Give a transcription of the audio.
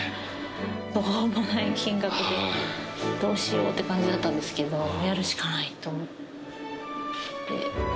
途方もない金額で、どうしようって感じだったんですけど、やるしかないと思って。